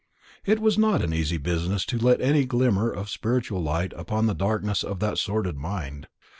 It was not an easy business to let any glimmer of spiritual light in upon the darkness of that sordid mind.